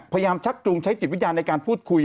พยายามชักจูงใช้จิตวิจารณ์ในการพูดคุย